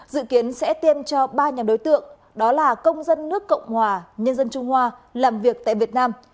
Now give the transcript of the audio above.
dự kiến sẽ tiêm cho ba nhóm đối tượng đó là công dân nước cộng hòa nhân dân trung hoa làm việc tại việt nam